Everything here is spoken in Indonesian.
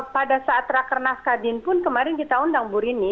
pada saat rakernas kadin pun kemarin kita undang bu rini